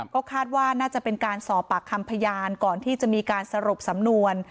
ก็คาดว่าน่าจะเป็นการสอบปากคำพยานก่อนที่จะมีการสรุปสำนวน